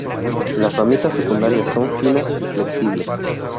Las ramitas secundarias son finas y flexibles.